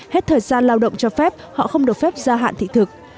hết thời gian lao động cho phép họ không được phép gia hạn thị thực